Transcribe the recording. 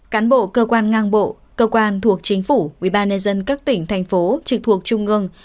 cán bộ cơ quan ngang bộ cơ quan thuộc chính phủ ubnd các tỉnh thành phố trực thuộc trung ương